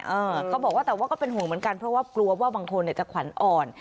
เขาบอกว่าแต่ว่าก็เป็นห่วงเหมือนกันเพราะว่ากลัวว่าบางคนเนี่ยจะขวัญอ่อน